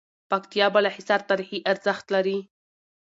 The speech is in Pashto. پکتيا بالاحصار تاريخي ارزښت لری